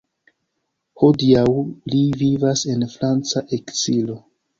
Hodiaŭ li vivas en franca ekzilo.